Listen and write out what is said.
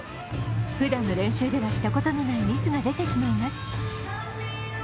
ふだんの練習ではしたことのないミスが出てしまいます。